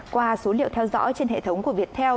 qua số liệu theo dõi trên hệ thống của viettel